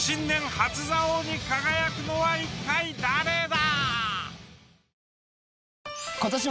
初座王に輝くのはいったい誰だ？